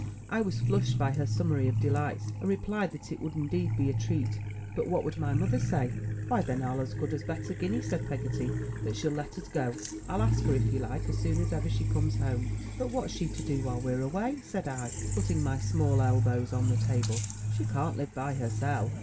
I was flushed by her summary of delights, and replied that it would indeed be a treat, but what would my mother say? "Why then I'll as good as bet a guinea,"said Peggotty, "that she'll let us go. I'll ask her, if you like, as soon as ever she comes home." "But what's she to do while we're away?" said I, putting my small elbows on the table. "She can't live by herself."